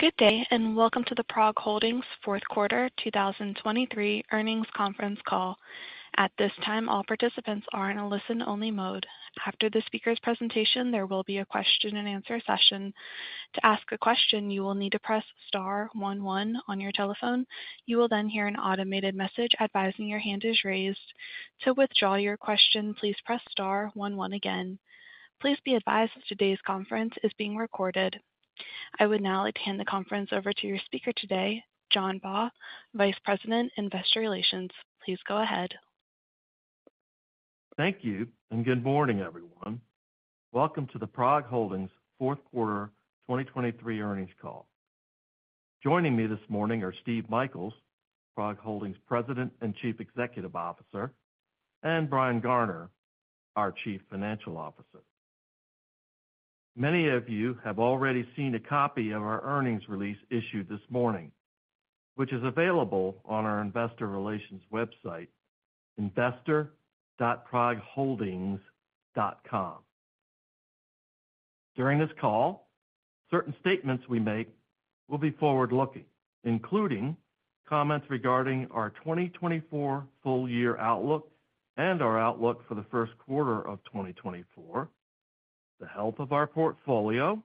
Good day and welcome to the PROG Holdings' Q4 2023 earnings Conference Call. At this time, all participants are in a listen-only mode. After the speaker's presentation, there will be a question-and-answer session. To ask a question, you will need to press star one one on your telephone. You will then hear an automated message advising your hand is raised. To withdraw your question, please press star one one again. Please be advised that today's conference is being recorded. I would now like to hand the conference over to your speaker today, John Baugh, Vice President, Investor Relations. Please go ahead. Thank you and good morning, everyone. Welcome to the PROG Holdings' Q4 2023 earnings call. Joining me this morning are Steve Michaels, PROG Holdings' President and Chief Executive Officer, and Brian Garner, our Chief Financial Officer. Many of you have already seen a copy of our earnings release issued this morning, which is available on our Investor Relations website, investor.progholdings.com. During this call, certain statements we make will be forward-looking, including comments regarding our 2024 full-year outlook and our outlook for the Q1 of 2024, the health of our portfolio,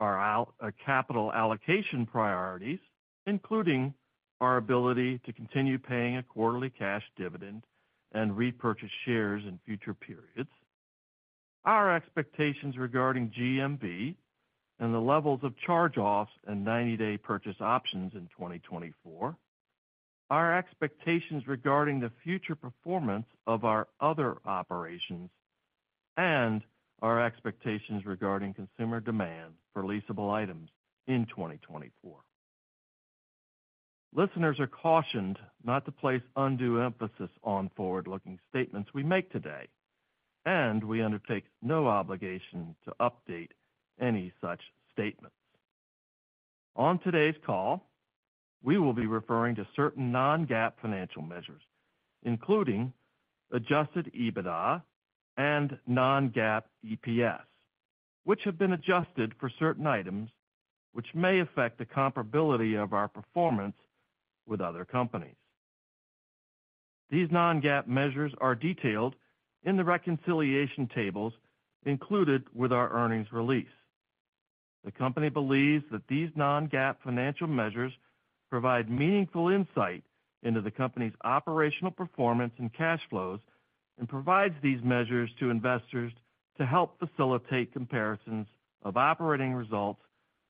our capital allocation priorities, including our ability to continue paying a quarterly cash dividend and repurchase shares in future periods, our expectations regarding GMV and the levels of charge-offs and 90-day purchase options in 2024, our expectations regarding the future performance of our other operations, and our expectations regarding consumer demand for leasable items in 2024. Listeners are cautioned not to place undue emphasis on forward-looking statements we make today, and we undertake no obligation to update any such statements. On today's call, we will be referring to certain non-GAAP financial measures, including Adjusted EBITDA and Non-GAAP EPS, which have been adjusted for certain items which may affect the comparability of our performance with other companies. These non-GAAP measures are detailed in the reconciliation tables included with our earnings release. The company believes that these non-GAAP financial measures provide meaningful insight into the company's operational performance and cash flows and provides these measures to investors to help facilitate comparisons of operating results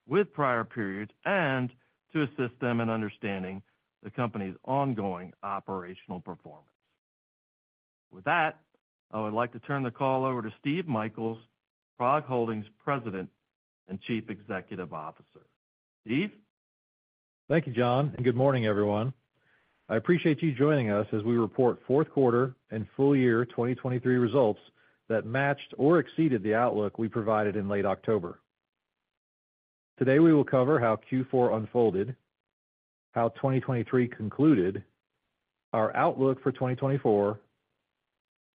with prior periods and to assist them in understanding the company's ongoing operational performance. With that, I would like to turn the call over to Steve Michaels, PROG Holdings' President and Chief Executive Officer. Steve? Thank you, John, and good morning, everyone. I appreciate you joining us as we report Q4 and full-year 2023 results that matched or exceeded the outlook we provided in late October. Today, we will cover how Q4 unfolded, how 2023 concluded, our outlook for 2024,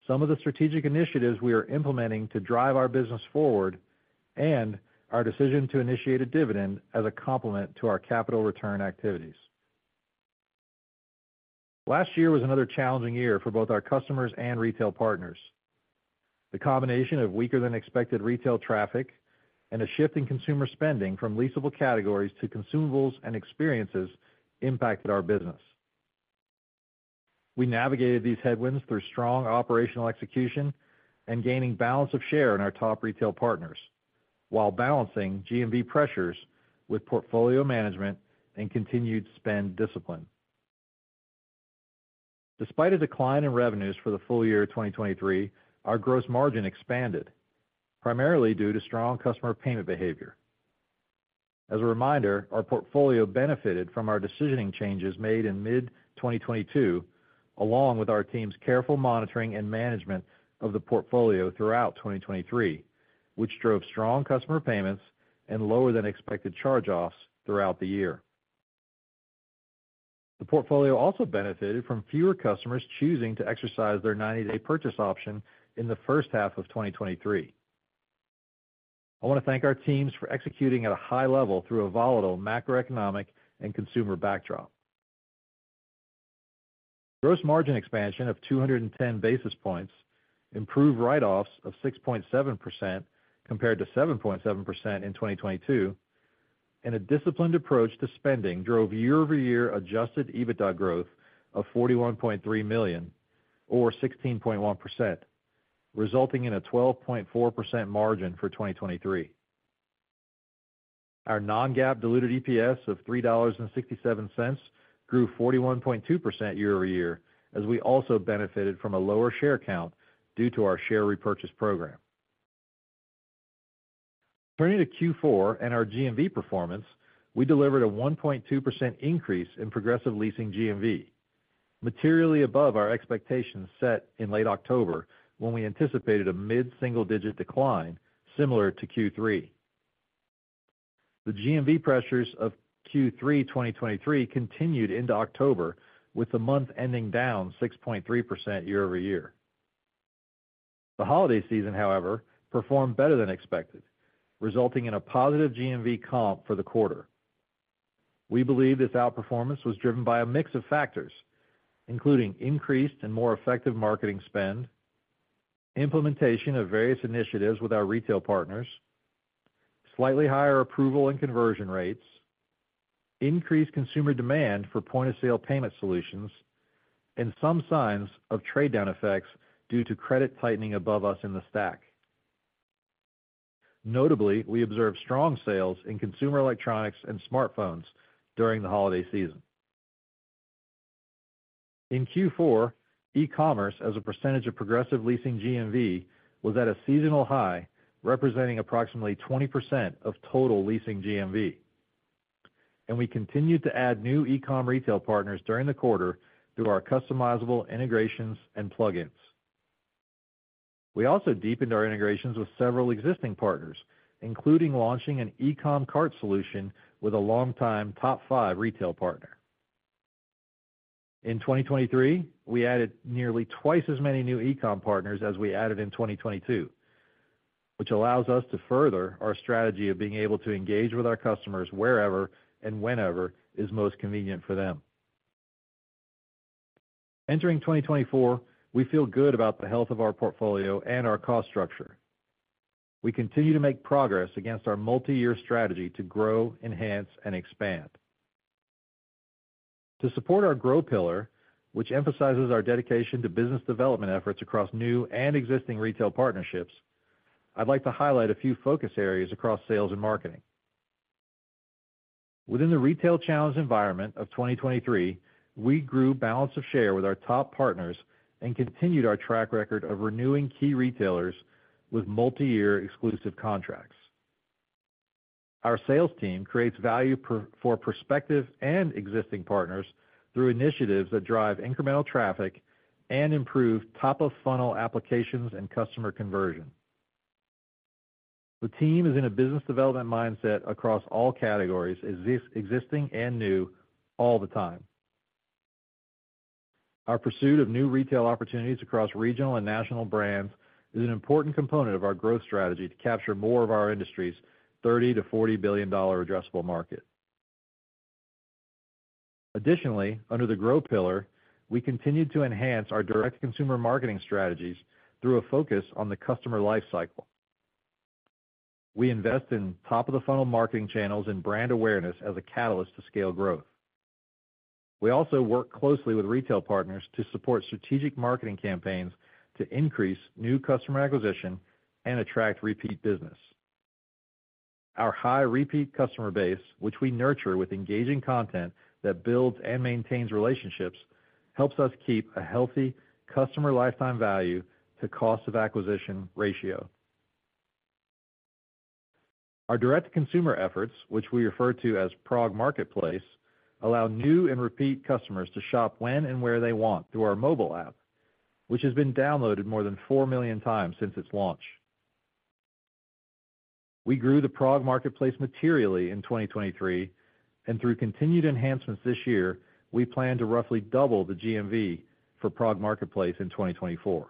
some of the strategic initiatives we are implementing to drive our business forward, and our decision to initiate a dividend as a complement to our capital return activities. Last year was another challenging year for both our customers and retail partners. The combination of weaker-than-expected retail traffic and a shift in consumer spending from leasable categories to consumables and experiences impacted our business. We navigated these headwinds through strong operational execution and gaining balance of share in our top retail partners while balancing GMV pressures with portfolio management and continued spend discipline. Despite a decline in revenues for the full year 2023, our gross margin expanded, primarily due to strong customer payment behavior. As a reminder, our portfolio benefited from our decisioning changes made in mid-2022, along with our team's careful monitoring and management of the portfolio throughout 2023, which drove strong customer payments and lower-than-expected charge-offs throughout the year. The portfolio also benefited from fewer customers choosing to exercise their 90-day purchase option in the first half of 2023. I want to thank our teams for executing at a high level through a volatile macroeconomic and consumer backdrop. Gross margin expansion of 210 basis points, improved write-offs of 6.7% compared to 7.7% in 2022, and a disciplined approach to spending drove year-over-year Adjusted EBITDA growth of $41.3 million, or 16.1%, resulting in a 12.4% margin for 2023. Our Non-GAAP diluted EPS of $3.67 grew 41.2% year-over-year, as we also benefited from a lower share count due to our share repurchase program. Turning to Q4 and our GMV performance, we delivered a 1.2% increase in Progressive Leasing GMV, materially above our expectations set in late October when we anticipated a mid-single-digit decline similar to Q3. The GMV pressures of Q3 2023 continued into October, with the month ending down 6.3% year-over-year. The holiday season, however, performed better than expected, resulting in a positive GMV comp for the quarter. We believe this outperformance was driven by a mix of factors, including increased and more effective marketing spend, implementation of various initiatives with our retail partners, slightly higher approval and conversion rates, increased consumer demand for point-of-sale payment solutions, and some signs of trade-down effects due to credit tightening above us in the stack. Notably, we observed strong sales in consumer electronics and smartphones during the holiday season. In Q4, e-commerce as a percentage of Progressive Leasing GMV was at a seasonal high, representing approximately 20% of total leasing GMV. We continued to add new e-commerce retail partners during the quarter through our customizable integrations and plug-ins. We also deepened our integrations with several existing partners, including launching an e-commerce cart solution with a long-time top five retail partner. In 2023, we added nearly twice as many new e-commerce partners as we added in 2022, which allows us to further our strategy of being able to engage with our customers wherever and whenever is most convenient for them. Entering 2024, we feel good about the health of our portfolio and our cost structure. We continue to make progress against our multi-year strategy to grow, enhance, and expand. To support our growth pillar, which emphasizes our dedication to business development efforts across new and existing retail partnerships, I'd like to highlight a few focus areas across sales and marketing. Within the retail challenge environment of 2023, we grew balance of share with our top partners and continued our track record of renewing key retailers with multi-year exclusive contracts. Our sales team creates value for prospective and existing partners through initiatives that drive incremental traffic and improve top-of-funnel applications and customer conversion. The team is in a business development mindset across all categories, existing and new, all the time. Our pursuit of new retail opportunities across regional and national brands is an important component of our growth strategy to capture more of our industry's $30 billion-$40 billion addressable market. Additionally, under the growth pillar, we continue to enhance our direct-to-consumer marketing strategies through a focus on the customer lifecycle. We invest in top-of-the-funnel marketing channels and brand awareness as a catalyst to scale growth. We also work closely with retail partners to support strategic marketing campaigns to increase new customer acquisition and attract repeat business. Our high repeat customer base, which we nurture with engaging content that builds and maintains relationships, helps us keep a healthy customer lifetime value-to-cost-of-acquisition ratio. Our direct-to-consumer efforts, which we refer to as PROG Marketplace, allow new and repeat customers to shop when and where they want through our mobile app, which has been downloaded more than 4 million times since its launch. We grew the PROG Marketplace materially in 2023, and through continued enhancements this year, we plan to roughly double the GMV for PROG Marketplace in 2024.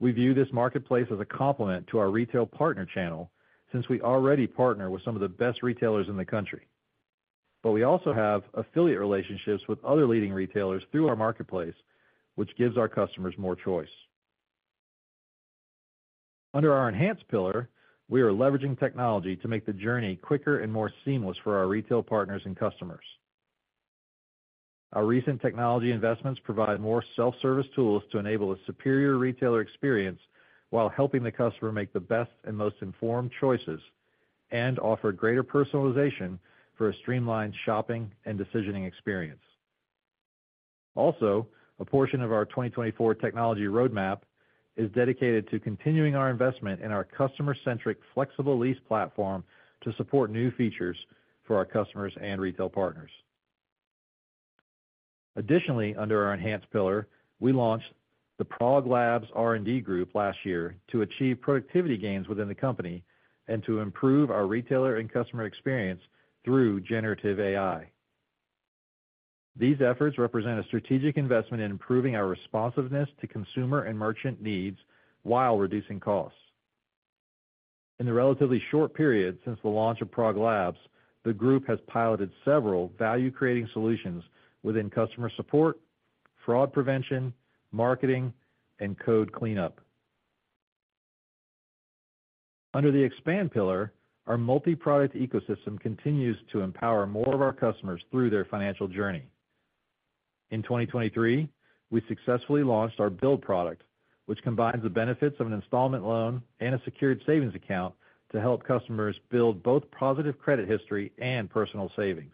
We view this marketplace as a complement to our retail partner channel since we already partner with some of the best retailers in the country. But we also have affiliate relationships with other leading retailers through our marketplace, which gives our customers more choice. Under our enhanced pillar, we are leveraging technology to make the journey quicker and more seamless for our retail partners and customers. Our recent technology investments provide more self-service tools to enable a superior retailer experience while helping the customer make the best and most informed choices and offer greater personalization for a streamlined shopping and decisioning experience. Also, a portion of our 2024 technology roadmap is dedicated to continuing our investment in our customer-centric flexible lease platform to support new features for our customers and retail partners. Additionally, under our enhanced pillar, we launched the PROG Labs R&D Group last year to achieve productivity gains within the company and to improve our retailer and customer experience through generative AI. These efforts represent a strategic investment in improving our responsiveness to consumer and merchant needs while reducing costs. In the relatively short period since the launch of PROG Labs, the group has piloted several value-creating solutions within customer support, fraud prevention, marketing, and code cleanup. Under the expand pillar, our multi-product ecosystem continues to empower more of our customers through their financial journey. In 2023, we successfully launched our Build product, which combines the benefits of an installment loan and a secured savings account to help customers build both positive credit history and personal savings.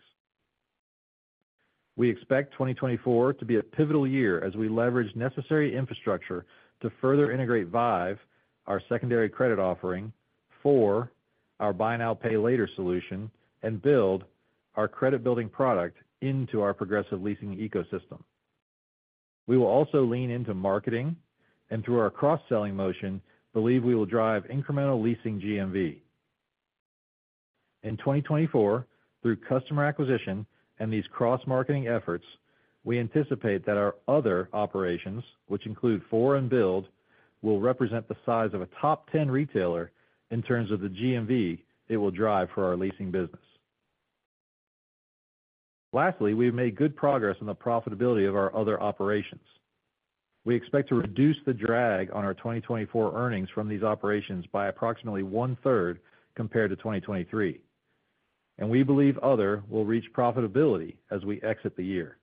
We expect 2024 to be a pivotal year as we leverage necessary infrastructure to further integrate Vive, our secondary credit offering, for our buy now pay later solution, and Build, our credit-building product, into our Progressive Leasing ecosystem. We will also lean into marketing and, through our cross-selling motion, believe we will drive incremental leasing GMV. In 2024, through customer acquisition and these cross-marketing efforts, we anticipate that our other operations, which include Four and Build, will represent the size of a top 10 retailer in terms of the GMV it will drive for our leasing business. Lastly, we've made good progress in the profitability of our other operations. We expect to reduce the drag on our 2024 earnings from these operations by approximately one-third compared to 2023, and we believe Other will reach profitability as we exit the year.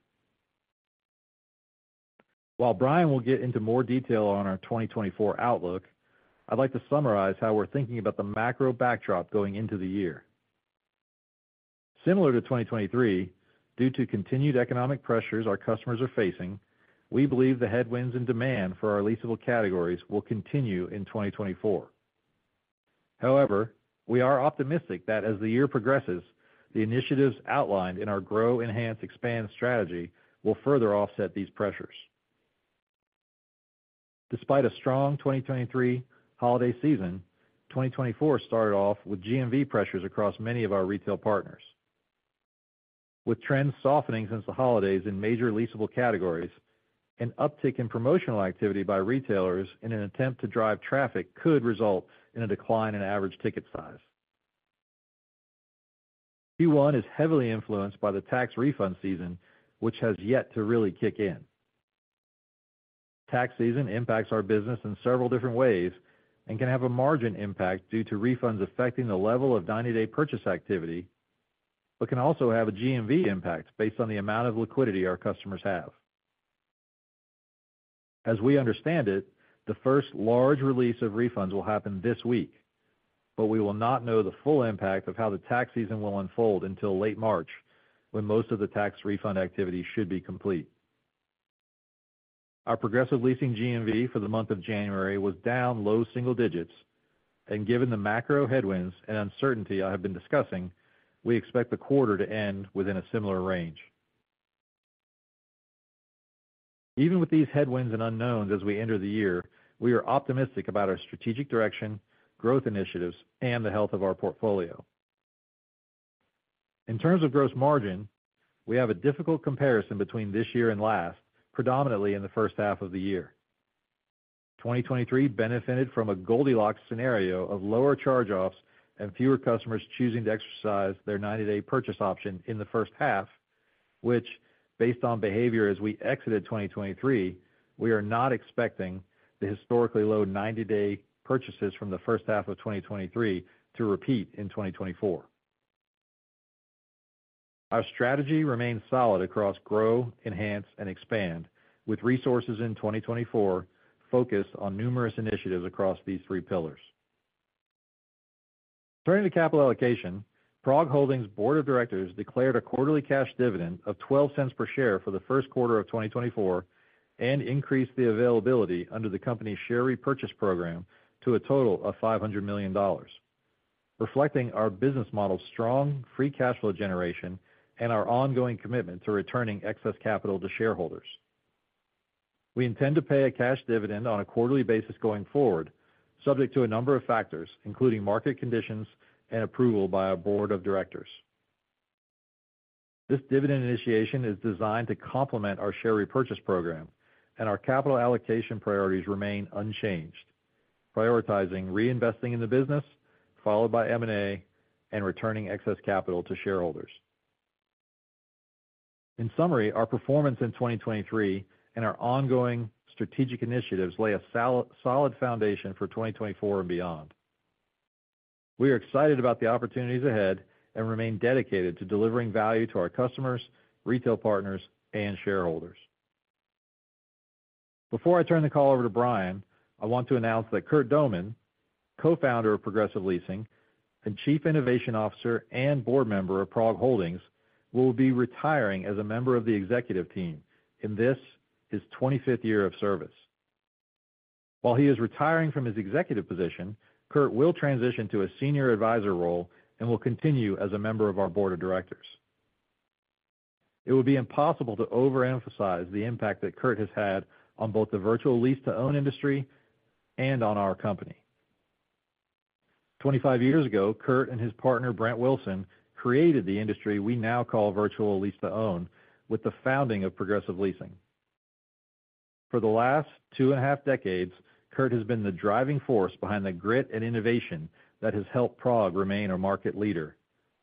While Brian will get into more detail on our 2024 outlook, I'd like to summarize how we're thinking about the macro backdrop going into the year. Similar to 2023, due to continued economic pressures our customers are facing, we believe the headwinds in demand for our leasable categories will continue in 2024. However, we are optimistic that as the year progresses, the initiatives outlined in our grow, enhance, expand strategy will further offset these pressures. Despite a strong 2023 holiday season, 2024 started off with GMV pressures across many of our retail partners. With trends softening since the holidays in major leasable categories and uptick in promotional activity by retailers in an attempt to drive traffic could result in a decline in average ticket size. Q1 is heavily influenced by the tax refund season, which has yet to really kick in. Tax season impacts our business in several different ways and can have a margin impact due to refunds affecting the level of 90-day purchase activity, but can also have a GMV impact based on the amount of liquidity our customers have. As we understand it, the first large release of refunds will happen this week, but we will not know the full impact of how the tax season will unfold until late March, when most of the tax refund activity should be complete. Our Progressive Leasing GMV for the month of January was down low single digits, and given the macro headwinds and uncertainty I have been discussing, we expect the quarter to end within a similar range. Even with these headwinds and unknowns as we enter the year, we are optimistic about our strategic direction, growth initiatives, and the health of our portfolio. In terms of gross margin, we have a difficult comparison between this year and last, predominantly in the first half of the year. 2023 benefited from a Goldilocks scenario of lower charge-offs and fewer customers choosing to exercise their 90-day purchase option in the first half, which, based on behavior as we exited 2023, we are not expecting the historically low 90-day purchases from the first half of 2023 to repeat in 2024. Our strategy remains solid across grow, enhance, and expand, with resources in 2024 focused on numerous initiatives across these three pillars. Turning to capital allocation, PROG Holdings' board of directors declared a quarterly cash dividend of $0.12 per share for the Q1 of 2024 and increased the availability under the company's share repurchase program to a total of $500 million, reflecting our business model's strong free cash flow generation and our ongoing commitment to returning excess capital to shareholders. We intend to pay a cash dividend on a quarterly basis going forward, subject to a number of factors, including market conditions and approval by our board of directors. This dividend initiation is designed to complement our share repurchase program, and our capital allocation priorities remain unchanged, prioritizing reinvesting in the business, followed by M&A, and returning excess capital to shareholders. In summary, our performance in 2023 and our ongoing strategic initiatives lay a solid foundation for 2024 and beyond. We are excited about the opportunities ahead and remain dedicated to delivering value to our customers, retail partners, and shareholders. Before I turn the call over to Brian, I want to announce that Curt Doman, co-founder of Progressive Leasing and Chief Innovation Officer and Board member of PROG Holdings, will be retiring as a member of the executive team in this his 25th year of service. While he is retiring from his executive position, Curt will transition to a senior advisor role and will continue as a member of our board of directors. It would be impossible to overemphasize the impact that Curt has had on both the virtual lease-to-own industry and on our company. 25 years ago, Curt and his partner Brent Wilson created the industry we now call virtual lease-to-own with the founding of Progressive Leasing. For the last two and a half decades, Curt has been the driving force behind the grit and innovation that has helped PROG remain a market leader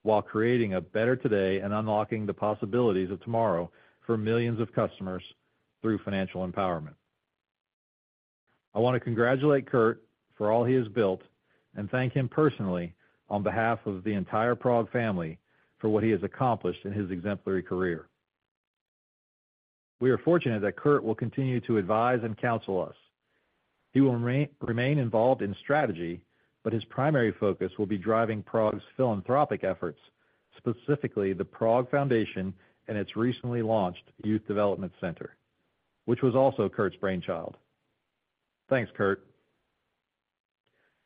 while creating a better today and unlocking the possibilities of tomorrow for millions of customers through financial empowerment. I want to congratulate Curt for all he has built and thank him personally on behalf of the entire PROG family for what he has accomplished in his exemplary career. We are fortunate that Curt will continue to advise and counsel us. He will remain involved in strategy, but his primary focus will be driving PROG's philanthropic efforts, specifically the PROG Foundation and its recently launched Youth Development Center, which was also Curt's brainchild. Thanks, Curt.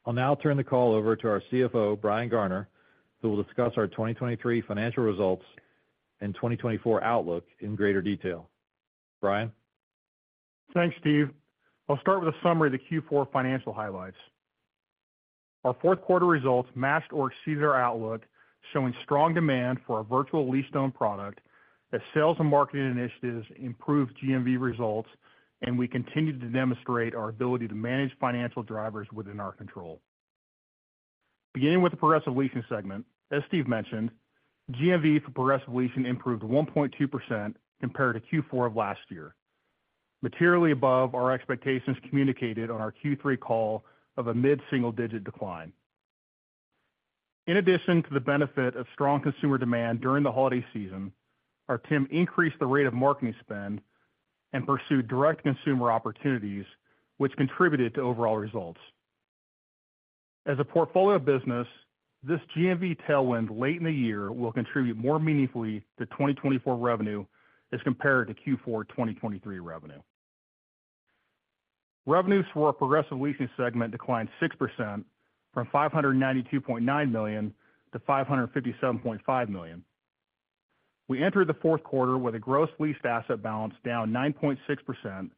I'll now turn the call over to our CFO, Brian Garner, who will discuss our 2023 financial results and 2024 outlook in greater detail. Brian? Thanks, Steve. I'll start with a summary of the Q4 financial highlights. Our Q4 results matched or exceeded our outlook, showing strong demand for a virtual lease-to-own product as sales and marketing initiatives improved GMV results, and we continued to demonstrate our ability to manage financial drivers within our control. Beginning with the Progressive Leasing segment, as Steve mentioned, GMV for Progressive Leasing improved 1.2% compared to Q4 of last year, materially above our expectations communicated on our Q3 call of a mid-single digit decline. In addition to the benefit of strong consumer demand during the holiday season, our team increased the rate of marketing spend and pursued direct consumer opportunities, which contributed to overall results. As a portfolio business, this GMV tailwind late in the year will contribute more meaningfully to 2024 revenue as compared to Q4 2023 revenue. Revenues for our Progressive Leasing segment declined 6% from $592.9 million to $557.5 million. We entered the Q4 with a gross leased asset balance down 9.6%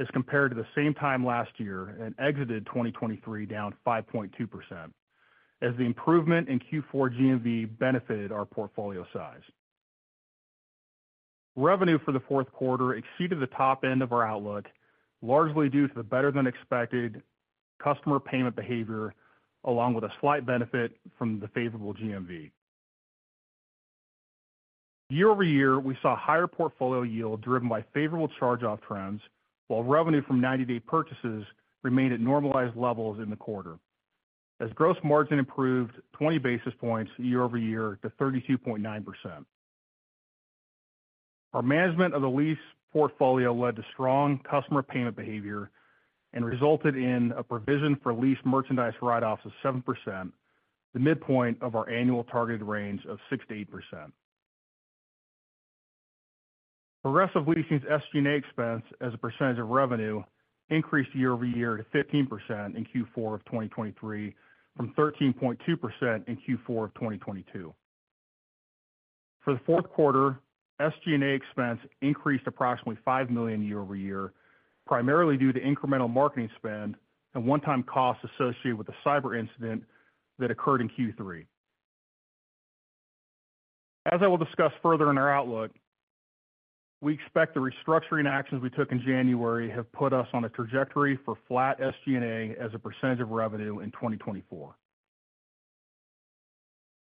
as compared to the same time last year and exited 2023 down 5.2%, as the improvement in Q4 GMV benefited our portfolio size. Revenue for the Q4 exceeded the top end of our outlook, largely due to the better-than-expected customer payment behavior, along with a slight benefit from the favorable GMV. Year over year, we saw higher portfolio yield driven by favorable charge-off trends, while revenue from 90-day purchases remained at normalized levels in the quarter, as gross margin improved 20 basis points year over year to 32.9%. Our management of the lease portfolio led to strong customer payment behavior and resulted in a provision for lease merchandise write-offs of 7%, the midpoint of our annual targeted range of 6%-8%. Progressive Leasing's SG&A expense as a percentage of revenue increased year-over-year to 15% in Q4 of 2023 from 13.2% in Q4 of 2022. For the Q4, SG&A expense increased approximately $5 million year-over-year, primarily due to incremental marketing spend and one-time costs associated with the cyber incident that occurred in Q3. As I will discuss further in our outlook, we expect the restructuring actions we took in January have put us on a trajectory for flat SG&A as a percentage of revenue in 2024.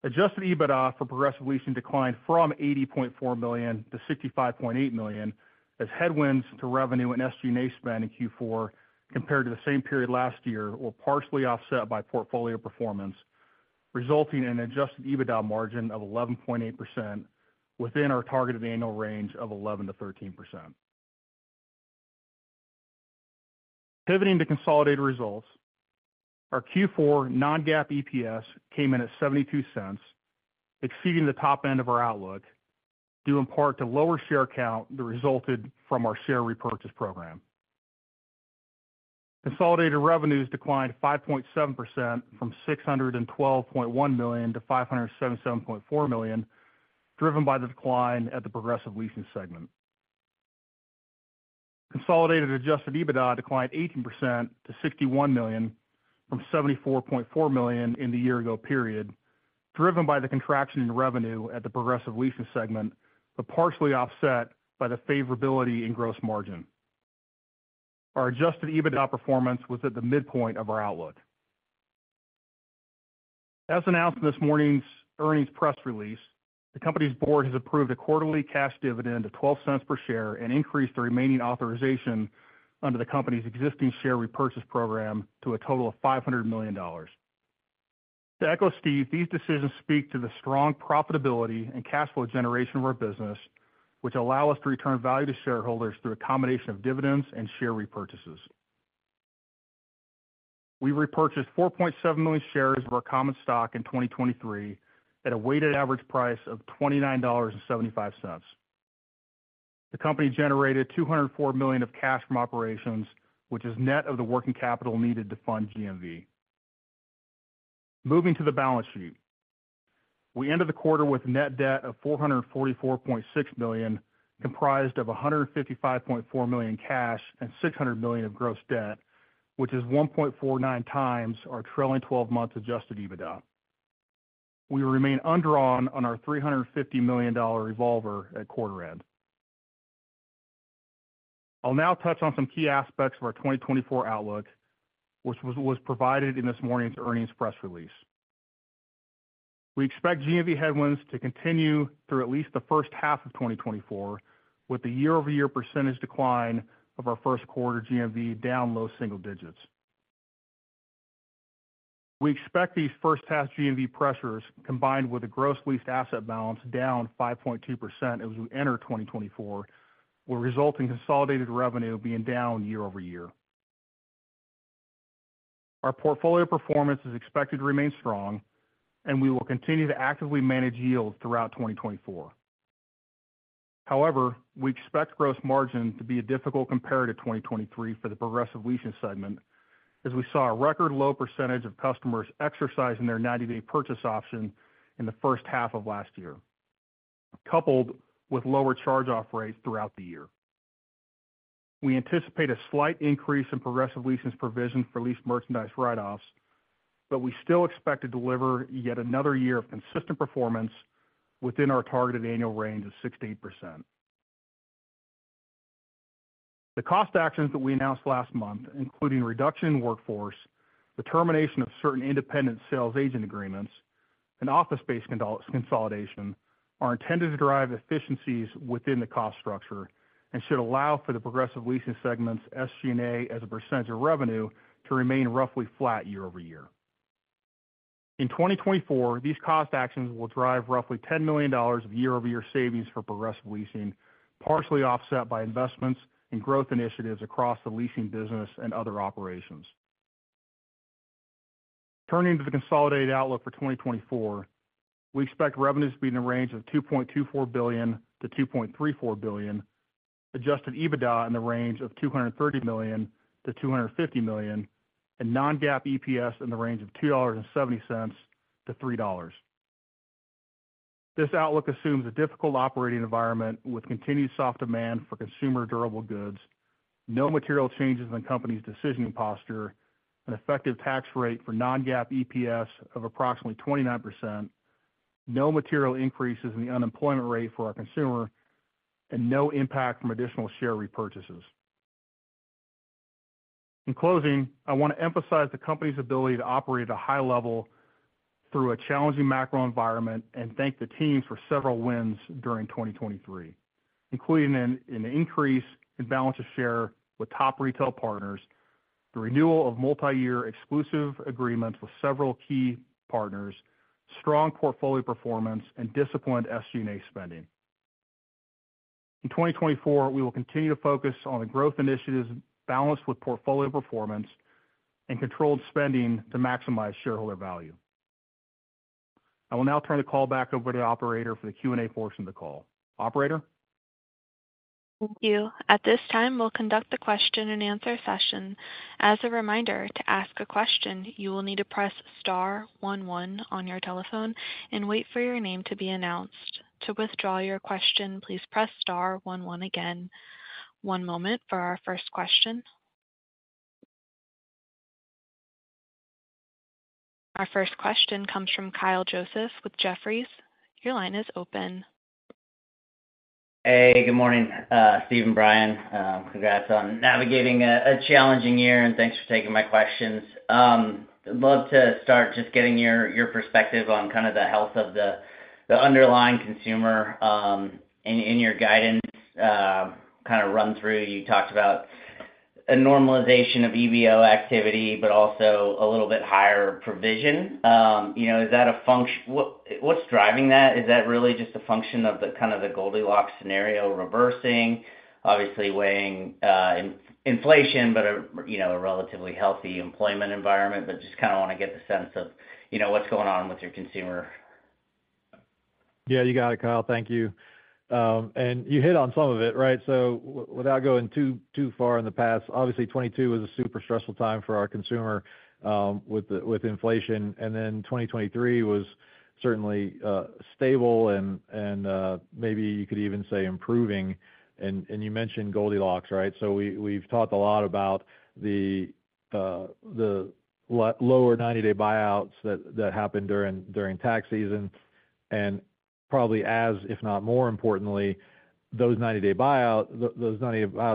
Adjusted EBITDA for Progressive Leasing declined from $80.4 million to $65.8 million as headwinds to revenue and SG&A spend in Q4 compared to the same period last year were partially offset by portfolio performance, resulting in an adjusted EBITDA margin of 11.8% within our targeted annual range of 11%-13%. Pivoting to consolidated results, our Q4 non-GAAP EPS came in at $0.72, exceeding the top end of our outlook, due in part to lower share count that resulted from our share repurchase program. Consolidated revenues declined 5.7% from $612.1 million to $577.4 million, driven by the decline at the Progressive Leasing segment. Consolidated Adjusted EBITDA declined 18% to $61 million from $74.4 million in the year-ago period, driven by the contraction in revenue at the Progressive Leasing segment, but partially offset by the favorability in gross margin. Our Adjusted EBITDA performance was at the midpoint of our outlook. As announced in this morning's earnings press release, the company's board has approved a quarterly cash dividend of $0.12 per share and increased the remaining authorization under the company's existing share repurchase program to a total of $500 million. To echo Steve, these decisions speak to the strong profitability and cash flow generation of our business, which allow us to return value to shareholders through a combination of dividends and share repurchases. We repurchased 4.7 million shares of our common stock in 2023 at a weighted average price of $29.75. The company generated $204 million of cash from operations, which is net of the working capital needed to fund GMV. Moving to the balance sheet, we ended the quarter with a net debt of $444.6 million, comprised of $155.4 million cash and $600 million of gross debt, which is 1.49 times our trailing 12-month adjusted EBITDA. We remain undrawn on our $350 million revolver at quarter end. I'll now touch on some key aspects of our 2024 outlook, which was provided in this morning's earnings press release. We expect GMV headwinds to continue through at least the first half of 2024, with the year-over-year percentage decline of our Q1 GMV down low single digits. We expect these first-half GMV pressures combined with a gross leased asset balance down 5.2% as we enter 2024, will result in consolidated revenue being down year-over-year. Our portfolio performance is expected to remain strong, and we will continue to actively manage yields throughout 2024. However, we expect gross margin to be a difficult comparator to 2023 for the Progressive Leasing segment, as we saw a record low percentage of customers exercising their 90-day purchase option in the first half of last year, coupled with lower charge-off rates throughout the year. We anticipate a slight increase in Progressive Leasing's provision for leased merchandise write-offs, but we still expect to deliver yet another year of consistent performance within our targeted annual range of 6%-8%. The cost actions that we announced last month, including reduction in workforce, the termination of certain independent sales agent agreements, and office-based consolidation, are intended to drive efficiencies within the cost structure and should allow for the Progressive Leasing segment's SG&A as a percentage of revenue to remain roughly flat year-over-year. In 2024, these cost actions will drive roughly $10 million of year-over-year savings for Progressive Leasing, partially offset by investments and growth initiatives across the leasing business and other operations. Turning to the consolidated outlook for 2024, we expect revenues to be in the range of $2.24 billion-$2.34 billion, Adjusted EBITDA in the range of $230 million-$250 million, and Non-GAAP EPS in the range of $2.70-$3. This outlook assumes a difficult operating environment with continued soft demand for consumer durable goods, no material changes in the company's decisioning posture, an effective tax rate for Non-GAAP EPS of approximately 29%, no material increases in the unemployment rate for our consumer, and no impact from additional share repurchases. In closing, I want to emphasize the company's ability to operate at a high level through a challenging macro environment and thank the teams for several wins during 2023, including an increase in balance of share with top retail partners, the renewal of multi-year exclusive agreements with several key partners, strong portfolio performance, and disciplined SG&A spending. In 2024, we will continue to focus on the growth initiatives balanced with portfolio performance and controlled spending to maximize shareholder value. I will now turn the call back over to the operator for the Q&A portion of the call. Operator? Thank you. At this time, we'll conduct the question-and-answer session. As a reminder, to ask a question, you will need to press star one one on your telephone and wait for your name to be announced. To withdraw your question, please press star one one again. One moment for our first question. Our first question comes from Kyle Joseph with Jefferies. Your line is open. Hey, good morning, Steve, and Brian. Congrats on navigating a challenging year, and thanks for taking my questions. I'd love to start just getting your perspective on kind of the health of the underlying consumer in your guidance kind of run-through. You talked about a normalization of EBO activity, but also a little bit higher provision. Is that a function what's driving that? Is that really just a function of kind of the Goldilocks scenario reversing, obviously weighing inflation, but a relatively healthy employment environment? But just kind of want to get the sense of what's going on with your consumer. Yeah, you got it, Kyle. Thank you. And you hit on some of it, right? So without going too far in the past, obviously, 2022 was a super stressful time for our consumer with inflation, and then 2023 was certainly stable and maybe you could even say improving. And you mentioned Goldilocks, right? So we've talked a lot about the lower 90-day buyouts that happened during tax season. And probably as, if not more importantly, those 90-day buyouts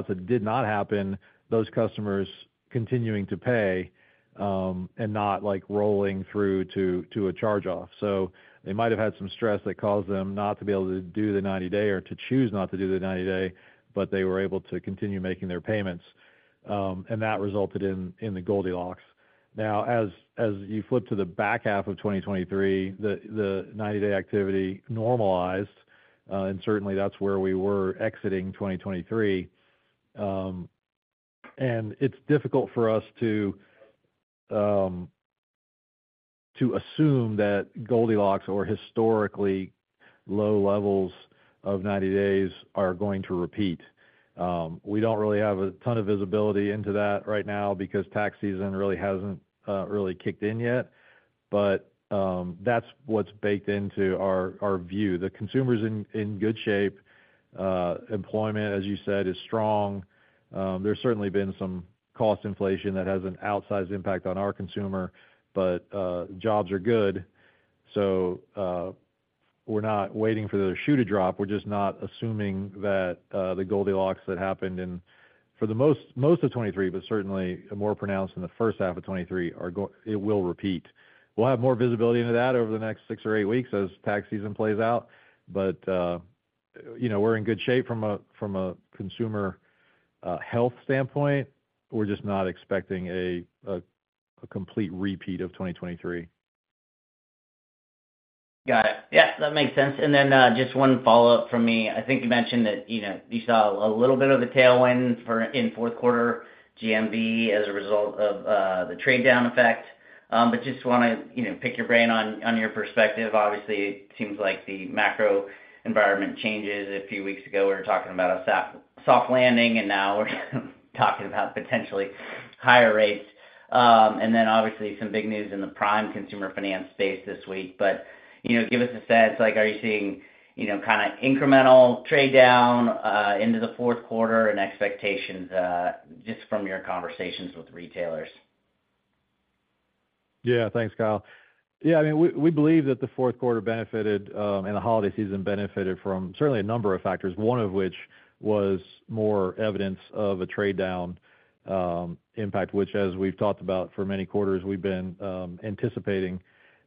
that did not happen, those customers continuing to pay and not rolling through to a charge-off. So they might have had some stress that caused them not to be able to do the 90-day or to choose not to do the 90-day, but they were able to continue making their payments. And that resulted in the Goldilocks. Now, as you flip to the back half of 2023, the 90-day activity normalized, and certainly, that's where we were exiting 2023. It's difficult for us to assume that Goldilocks or historically low levels of 90 days are going to repeat. We don't really have a ton of visibility into that right now because tax season really hasn't really kicked in yet. That's what's baked into our view. The consumer's in good shape. Employment, as you said, is strong. There's certainly been some cost inflation that has an outsized impact on our consumer, but jobs are good. We're not waiting for the shoe to drop. We're just not assuming that the Goldilocks that happened in for the most of 2023, but certainly more pronounced in the first half of 2023, it will repeat. We'll have more visibility into that over the next 6 or 8 weeks as tax season plays out. But we're in good shape from a consumer health standpoint. We're just not expecting a complete repeat of 2023. Got it. Yeah, that makes sense. And then just one follow-up from me. I think you mentioned that you saw a little bit of a tailwind in Q4 GMV as a result of the trade-down effect. But just want to pick your brain on your perspective. Obviously, it seems like the macro environment changes. A few weeks ago, we were talking about a soft landing, and now we're talking about potentially higher rates. And then, obviously, some big news in the prime consumer finance space this week. But give us a sense. Are you seeing kind of incremental trade-down into the Q4 and expectations just from your conversations with retailers? Yeah, thanks, Kyle. Yeah, I mean, we believe that the Q4 benefited and the holiday season benefited from certainly a number of factors, one of which was more evidence of a trade-down impact, which, as we've talked about for many quarters, we've been anticipating,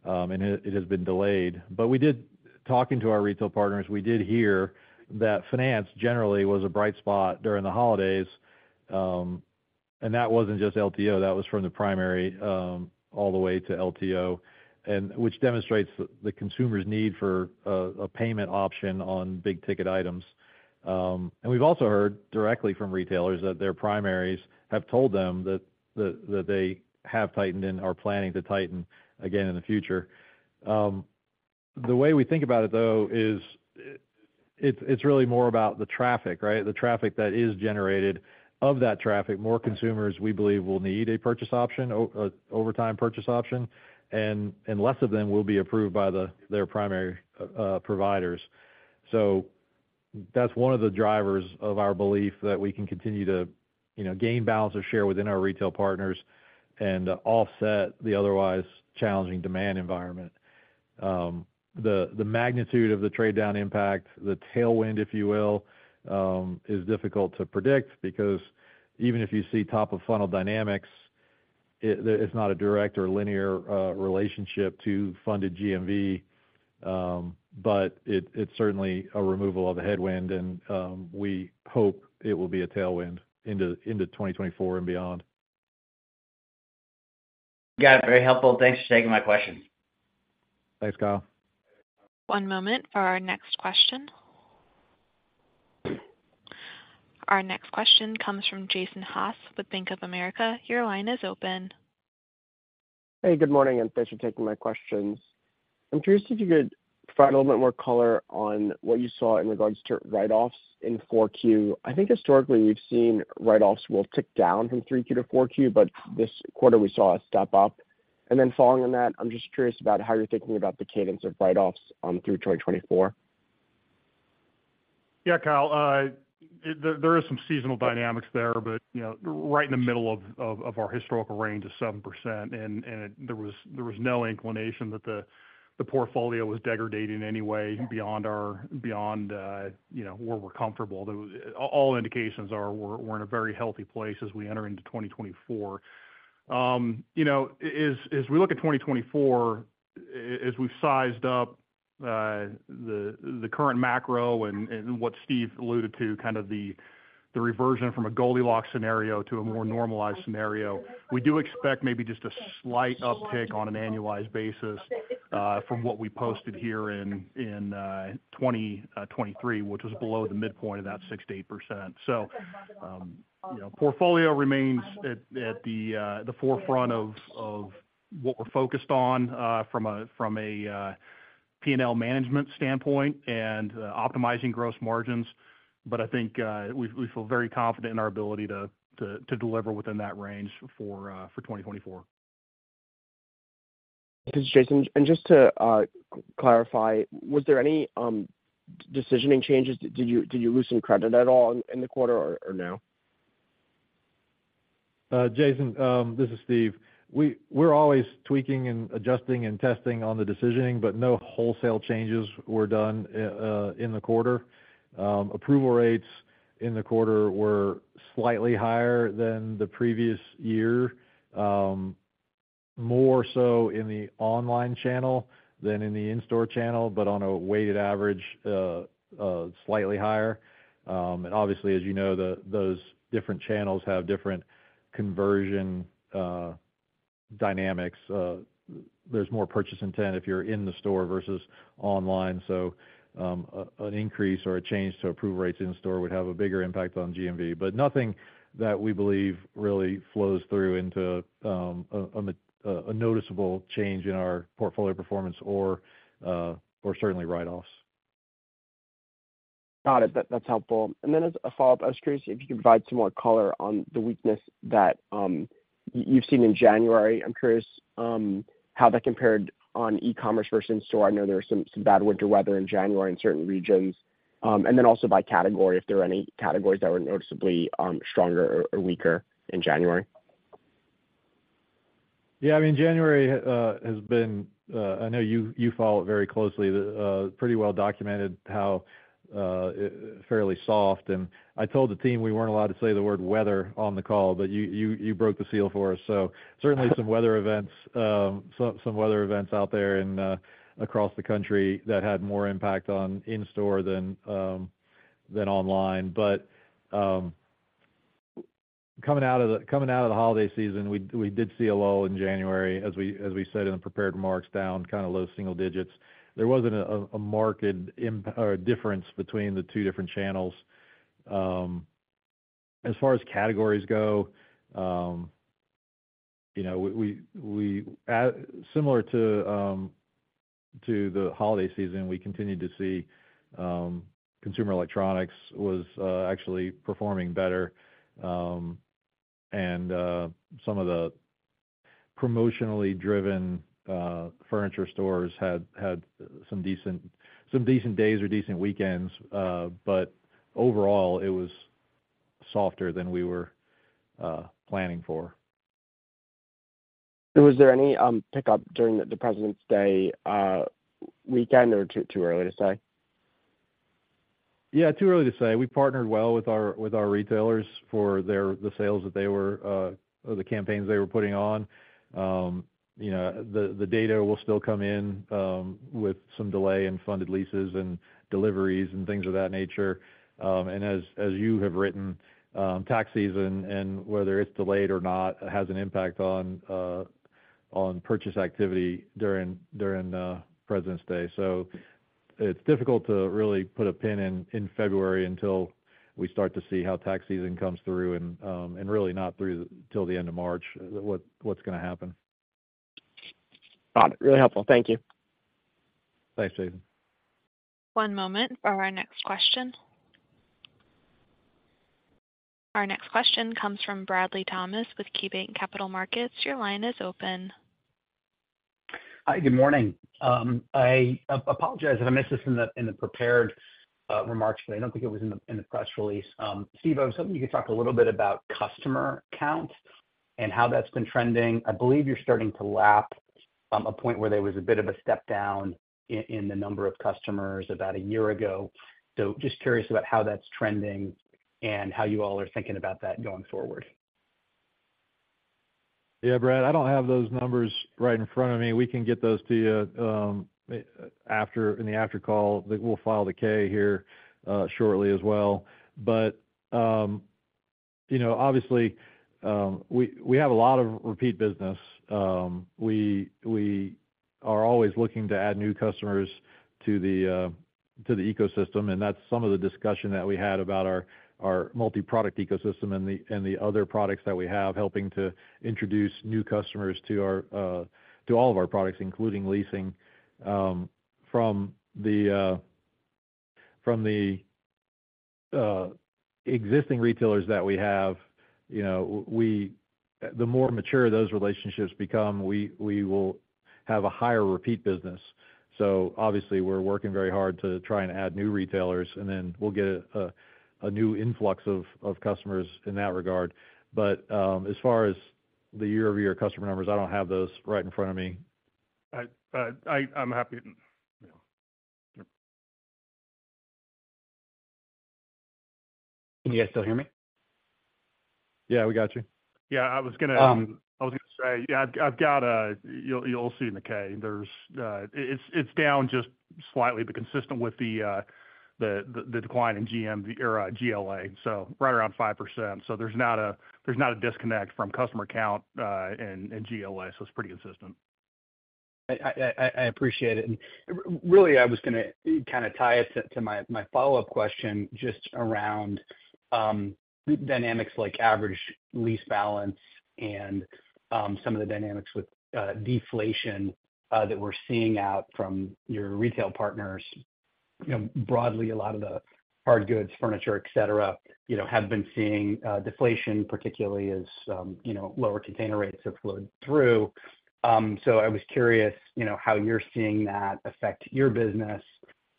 and it has been delayed. But talking to our retail partners, we did hear that finance generally was a bright spot during the holidays. And that wasn't just LTO. That was from the primary all the way to LTO, which demonstrates the consumer's need for a payment option on big-ticket items. And we've also heard directly from retailers that their primaries have told them that they have tightened in or are planning to tighten again in the future. The way we think about it, though, is it's really more about the traffic, right? The traffic that is generated. Of that traffic, more consumers, we believe, will need a purchase option, 90-day purchase option, and less of them will be approved by their primary providers. So that's one of the drivers of our belief that we can continue to gain balance of share within our retail partners and offset the otherwise challenging demand environment. The magnitude of the trade-down impact, the tailwind, if you will, is difficult to predict because even if you see top-of-funnel dynamics, it's not a direct or linear relationship to funded GMV. But it's certainly a removal of a headwind, and we hope it will be a tailwind into 2024 and beyond. Got it. Very helpful. Thanks for taking my questions. Thanks, Kyle. One moment for our next question. Our next question comes from Jason Haas with Bank of America. Your line is open. Hey, good morning, and thanks for taking my questions. I'm curious if you could provide a little bit more color on what you saw in regards to write-offs in 4Q. I think historically, we've seen write-offs will tick down from 3Q to 4Q, but this quarter, we saw a step up. And then following on that, I'm just curious about how you're thinking about the cadence of write-offs through 2024. Yeah, Kyle. There are some seasonal dynamics there, but right in the middle of our historical range of 7%, and there was no inclination that the portfolio was degrading in any way beyond where we're comfortable. All indications are we're in a very healthy place as we enter into 2024. As we look at 2024, as we've sized up the current macro and what Steve alluded to, kind of the reversion from a Goldilocks scenario to a more normalized scenario, we do expect maybe just a slight uptick on an annualized basis from what we posted here in 2023, which was below the midpoint of that 6%-8%. So portfolio remains at the forefront of what we're focused on from a P&L management standpoint and optimizing gross margins. But I think we feel very confident in our ability to deliver within that range for 2024. Thanks, Jason. And just to clarify, was there any decisioning changes? Did you loosen credit at all in the quarter, or no? Jason, this is Steve. We're always tweaking and adjusting and testing on the decisioning, but no wholesale changes were done in the quarter. Approval rates in the quarter were slightly higher than the previous year, more so in the online channel than in the in-store channel, but on a weighted average, slightly higher. And obviously, as you know, those different channels have different conversion dynamics. There's more purchase intent if you're in the store versus online. So an increase or a change to approval rates in-store would have a bigger impact on GMV, but nothing that we believe really flows through into a noticeable change in our portfolio performance or certainly write-offs. Got it. That's helpful. And then as a follow-up, I was curious if you could provide some more color on the weakness that you've seen in January? I'm curious how that compared on e-commerce versus in-store? I know there was some bad winter weather in January in certain regions. And then also by category, if there were any categories that were noticeably stronger or weaker in January? Yeah, I mean, January has been, I know you follow it very closely, pretty well documented how fairly soft. I told the team we weren't allowed to say the word weather on the call, but you broke the seal for us. Certainly, some weather events out there across the country that had more impact on in-store than online. Coming out of the holiday season, we did see a lull in January, as we said in the prepared remarks, down kind of low single digits. There wasn't a marked difference between the two different channels. As far as categories go, similar to the holiday season, we continued to see consumer electronics was actually performing better. Some of the promotionally driven furniture stores had some decent days or decent weekends. Overall, it was softer than we were planning for. Was there any pickup during the President's Day weekend or too early to say? Yeah, too early to say. We partnered well with our retailers for the sales that they were or the campaigns they were putting on. The data will still come in with some delay in funded leases and deliveries and things of that nature. And as you have written, tax season, and whether it's delayed or not, has an impact on purchase activity during President's Day. So it's difficult to really put a pin in February until we start to see how tax season comes through and really not through till the end of March, what's going to happen. Got it. Really helpful. Thank you. Thanks, Jason. One moment for our next question. Our next question comes from Bradley Thomas with KeyBanc Capital Markets. Your line is open. Hi, good morning. I apologize if I missed this in the prepared remarks, but I don't think it was in the press release. Steve, I was hoping you could talk a little bit about customer counts and how that's been trending. I believe you're starting to lap a point where there was a bit of a step down in the number of customers about a year ago. So just curious about how that's trending and how you all are thinking about that going forward? Yeah, Brad, I don't have those numbers right in front of me. We can get those to you in the after call. We'll file the K here shortly as well. But obviously, we have a lot of repeat business. We are always looking to add new customers to the ecosystem, and that's some of the discussion that we had about our multi-product ecosystem and the other products that we have, helping to introduce new customers to all of our products, including leasing. From the existing retailers that we have, the more mature those relationships become, we will have a higher repeat business. So obviously, we're working very hard to try and add new retailers, and then we'll get a new influx of customers in that regard. But as far as the year-over-year customer numbers, I don't have those right in front of me. I'm happy to. Can you guys still hear me? Yeah, we got you. Yeah, I was going to say, yeah, I've got a, you'll see in the K. It's down just slightly, but consistent with the decline in GMV or GLA, so right around 5%. So there's not a disconnect from customer count in GLA, so it's pretty consistent. I appreciate it. Really, I was going to kind of tie it to my follow-up question just around dynamics like average lease balance and some of the dynamics with deflation that we're seeing out from your retail partners. Broadly, a lot of the hard goods, furniture, etc., have been seeing deflation, particularly as lower container rates have flowed through. So I was curious how you're seeing that affect your business,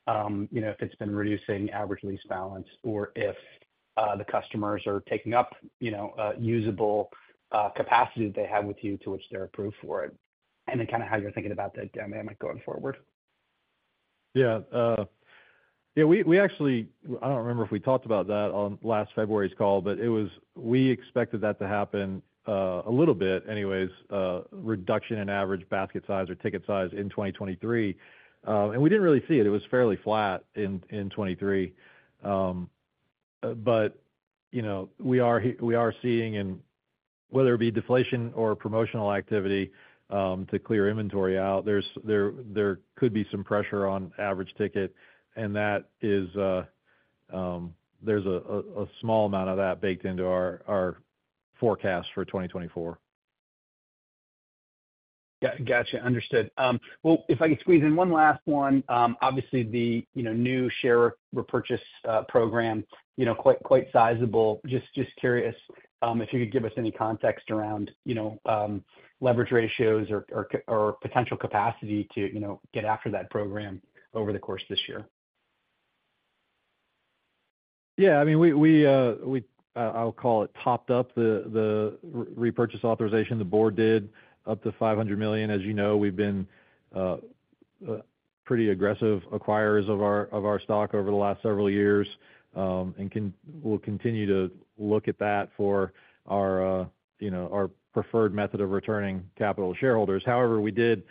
if it's been reducing average lease balance, or if the customers are taking up usable capacity that they have with you to which they're approved for it, and then kind of how you're thinking about that dynamic going forward. Yeah. Yeah, we actually, I don't remember if we talked about that on last February's call, but we expected that to happen a little bit anyways, reduction in average basket size or ticket size in 2023. We didn't really see it. It was fairly flat in 2023. We are seeing, and whether it be deflation or promotional activity to clear inventory out, there could be some pressure on average ticket, and there's a small amount of that baked into our forecast for 2024. Gotcha. Understood. Well, if I could squeeze in one last one, obviously, the new share repurchase program, quite sizable. Just curious if you could give us any context around leverage ratios or potential capacity to get after that program over the course of this year? Yeah, I mean, I'll call it topped up the repurchase authorization. The board did up to $500 million. As you know, we've been pretty aggressive acquirers of our stock over the last several years and will continue to look at that for our preferred method of returning capital to shareholders. However, we did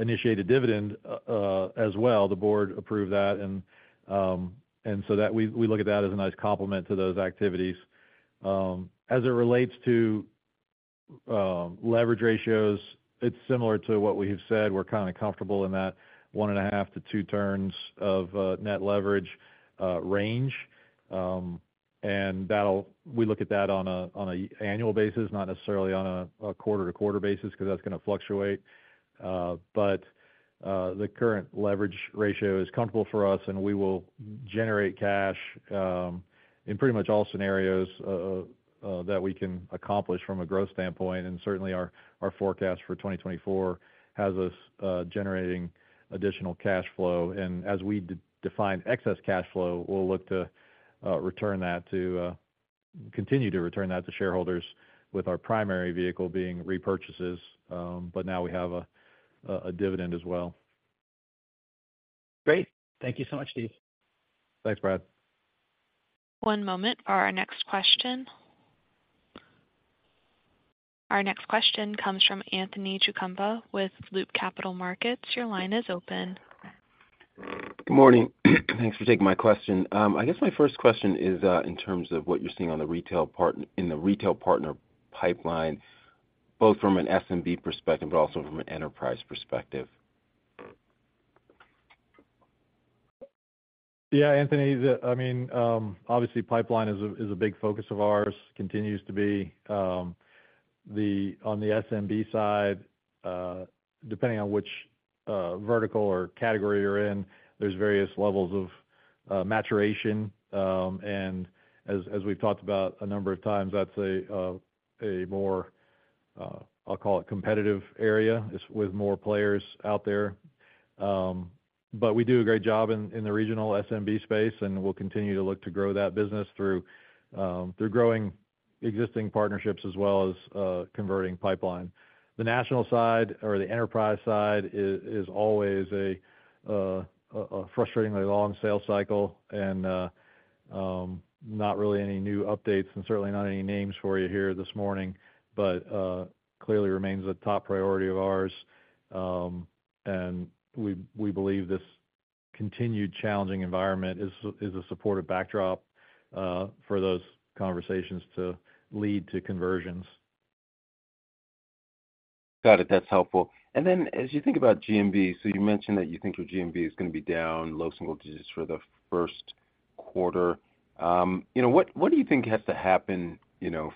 initiate a dividend as well. The board approved that. So we look at that as a nice complement to those activities. As it relates to leverage ratios, it's similar to what we have said. We're kind of comfortable in that 1.5-2 turns of net leverage range. We look at that on an annual basis, not necessarily on a quarter-to-quarter basis because that's going to fluctuate. The current leverage ratio is comfortable for us, and we will generate cash in pretty much all scenarios that we can accomplish from a growth standpoint. Certainly, our forecast for 2024 has us generating additional cash flow. As we define excess cash flow, we'll look to continue to return that to shareholders with our primary vehicle being repurchases. But now we have a dividend as well. Great. Thank you so much, Steve. Thanks, Brad. One moment for our next question. Our next question comes from Anthony Chukumba with Loop Capital Markets. Your line is open. Good morning. Thanks for taking my question. I guess my first question is in terms of what you're seeing in the retail partner pipeline, both from an SMB perspective but also from an enterprise perspective. Yeah, Anthony. I mean, obviously, pipeline is a big focus of ours, continues to be. On the SMB side, depending on which vertical or category you're in, there's various levels of maturation. And as we've talked about a number of times, that's a more, I'll call it, competitive area with more players out there. But we do a great job in the regional SMB space, and we'll continue to look to grow that business through growing existing partnerships as well as converting pipeline. The national side or the enterprise side is always a frustratingly long sales cycle and not really any new updates and certainly not any names for you here this morning, but clearly remains a top priority of ours. And we believe this continued challenging environment is a supportive backdrop for those conversations to lead to conversions. Got it. That's helpful. And then as you think about GMV so you mentioned that you think your GMV is going to be down low single digits for the Q1. What do you think has to happen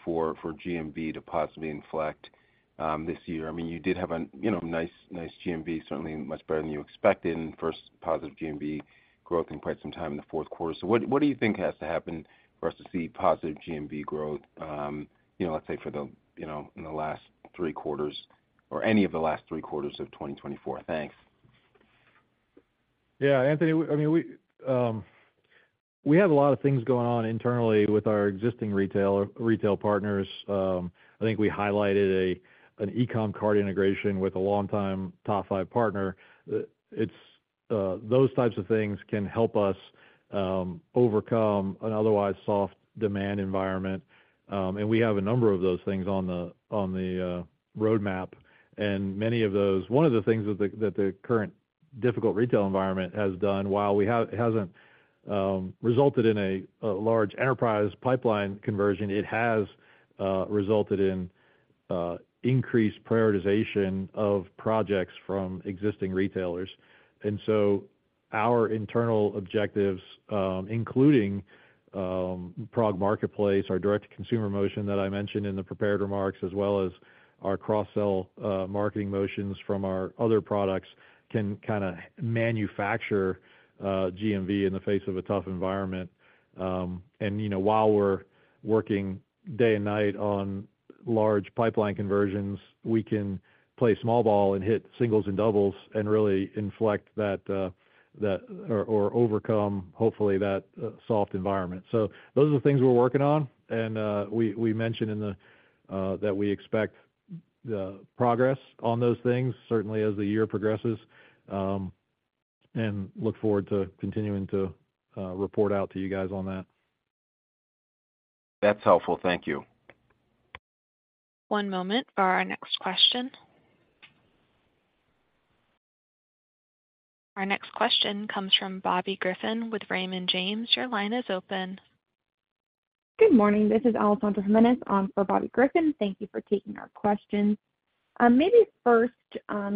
for GMV to possibly inflect this year? I mean, you did have a nice GMV, certainly much better than you expected, and first positive GMV growth in quite some time in the Q4. So what do you think has to happen for us to see positive GMV growth, let's say, in the last three quarters or any of the last three quarters of 2024? Thanks. Yeah, Anthony. I mean, we have a lot of things going on internally with our existing retail partners. I think we highlighted an e-com card integration with a long-time top five partner. Those types of things can help us overcome an otherwise soft demand environment. We have a number of those things on the roadmap. Many of those—one of the things that the current difficult retail environment has done, while it hasn't resulted in a large enterprise pipeline conversion—has resulted in increased prioritization of projects from existing retailers. Our internal objectives, including PROG Marketplace, our direct-to-consumer motion that I mentioned in the prepared remarks, as well as our cross-sell marketing motions from our other products, can kind of manufacture GMV in the face of a tough environment. While we're working day and night on large pipeline conversions, we can play small ball and hit singles and doubles and really inflect that or overcome, hopefully, that soft environment. Those are the things we're working on. We mentioned that we expect progress on those things, certainly as the year progresses, and look forward to continuing to report out to you guys on that. That's helpful. Thank you. One moment for our next question. Our next question comes from Bobby Griffin with Raymond James. Your line is open. Good morning. This is Alessandra Jimenez for Bobby Griffin. Thank you for taking our questions. Maybe first,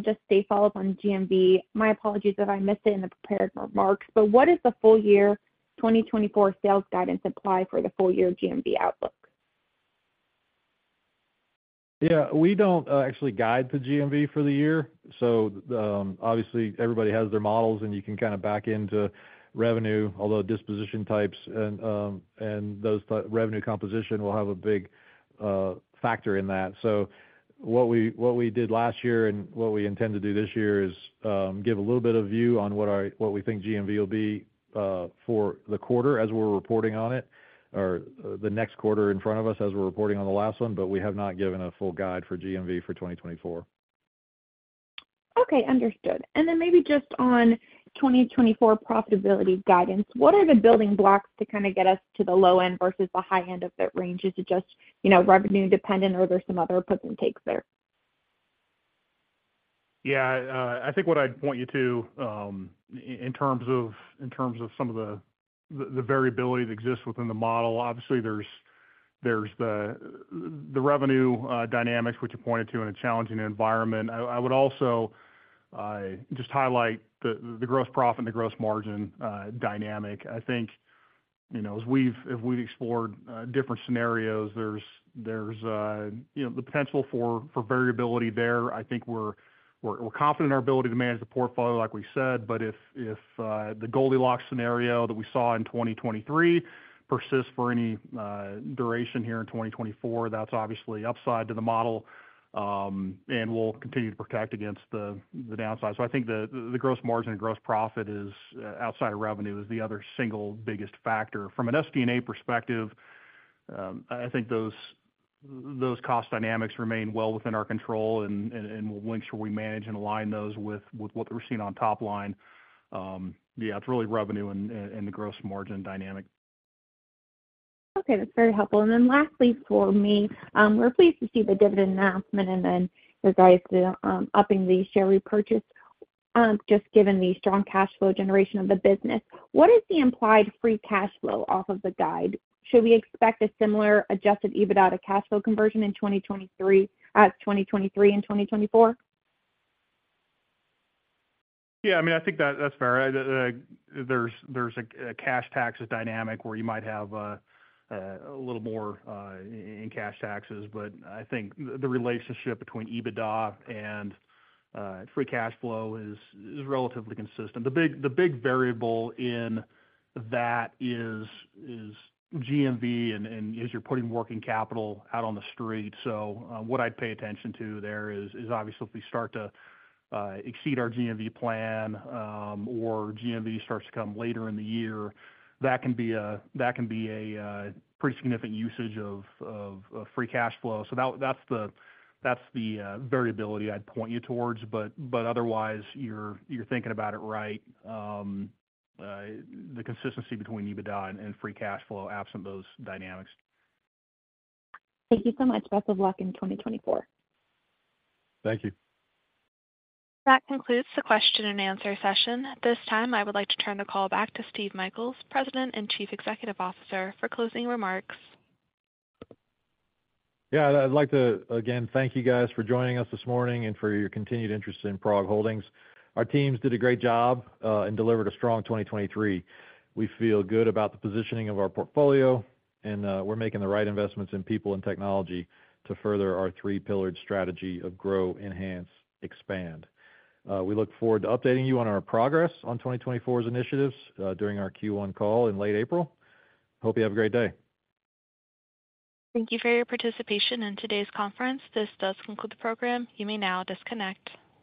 just a follow-up on GMV, my apologies if I missed it in the prepared remarks, but what does the full-year 2024 sales guidance apply for the full-year GMV outlook? Yeah, we don't actually guide the GMV for the year. So obviously, everybody has their models, and you can kind of back into revenue, although disposition types and those revenue composition will have a big factor in that. So what we did last year and what we intend to do this year is give a little bit of view on what we think GMV will be for the quarter as we're reporting on it or the next quarter in front of us as we're reporting on the last one, but we have not given a full guide for GMV for 2024. Okay. Understood. And then maybe just on 2024 profitability guidance, what are the building blocks to kind of get us to the low end versus the high end of that range? Is it just revenue-dependent, or are there some other puts and takes there? Yeah, I think what I'd point you to in terms of some of the variability that exists within the model, obviously, there's the revenue dynamics, which you pointed to, in a challenging environment. I would also just highlight the gross profit and the gross margin dynamic. I think if we've explored different scenarios, there's the potential for variability there. I think we're confident in our ability to manage the portfolio, like we said. But if the Goldilocks scenario that we saw in 2023 persists for any duration here in 2024, that's obviously upside to the model, and we'll continue to protect against the downside. So I think the gross margin and gross profit outside of revenue is the other single biggest factor. From an SG&A perspective, I think those cost dynamics remain well within our control, and we'll make sure we manage and align those with what we're seeing on top line. Yeah, it's really revenue and the gross margin dynamic. Okay. That's very helpful. And then lastly for me, we're pleased to see the dividend announcement and then your guys upping the share repurchase just given the strong cash flow generation of the business. What is the implied free cash flow off of the guide? Should we expect a similar Adjusted EBITDA to cash flow conversion as 2023 and 2024? Yeah, I mean, I think that's fair. There's a cash taxes dynamic where you might have a little more in cash taxes, but I think the relationship between EBITDA and free cash flow is relatively consistent. The big variable in that is GMV and is you're putting working capital out on the street. So what I'd pay attention to there is obviously, if we start to exceed our GMV plan or GMV starts to come later in the year, that can be a pretty significant usage of free cash flow. So that's the variability I'd point you towards. But otherwise, you're thinking about it right, the consistency between EBITDA and free cash flow absent those dynamics. Thank you so much. Best of luck in 2024. Thank you. That concludes the question-and-answer session. This time, I would like to turn the call back to Steve Michaels, President and Chief Executive Officer, for closing remarks. Yeah, I'd like to, again, thank you guys for joining us this morning and for your continued interest in PROG Holdings. Our teams did a great job and delivered a strong 2023. We feel good about the positioning of our portfolio, and we're making the right investments in people and technology to further our three-pillared strategy of grow, enhance, expand. We look forward to updating you on our progress on 2024's initiatives during our Q1 call in late April. Hope you have a great day. Thank you for your participation in today's conference. This does conclude the program. You may now disconnect.